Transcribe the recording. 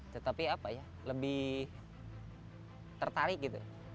tetapi apa ya lebih tertarik gitu